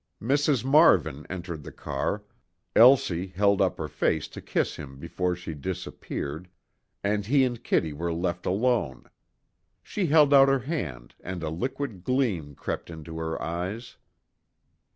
Mrs. Marvin entered the car, Elsie held up her face to kiss him before she disappeared, and he and Kitty were left alone. She held out her hand, and a liquid gleam crept into her eyes.